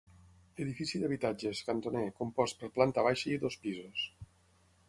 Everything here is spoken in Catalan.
Edifici d'habitatges, cantoner, compost per planta baixa i dos pisos.